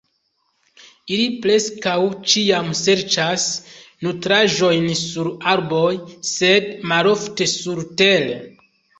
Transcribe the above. Ili preskaŭ ĉiam serĉas nutraĵojn sur arboj, sed malofte surtere.